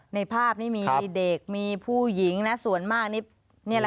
ในภาพนี้มีเด็กมีผู้หญิงนะส่วนมากนี่